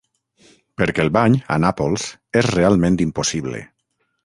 Perquè el bany, a Nàpols, és realment impossible.